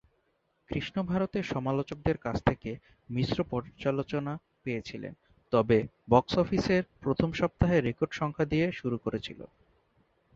কৃষ ভারতের সমালোচকদের কাছ থেকে মিশ্র পর্যালোচনা পেয়েছিলেন, তবে বক্স অফিসে প্রথম সপ্তাহে রেকর্ড সংখ্যা দিয়ে শুরু করেছিল।